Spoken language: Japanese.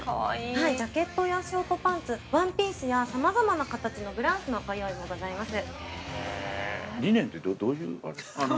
ジャケットやショートパンツワンピースやさまざまな形のブラウスのご用意もございます。